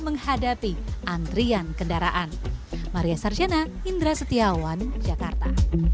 menghadapi antrian kendaraan maria sarjana indra setiawan jakarta